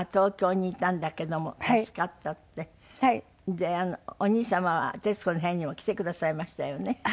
でお兄様は『徹子の部屋』にも来てくださいましたよね。